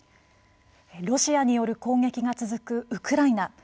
ロシアによる攻撃が続くウクライナ。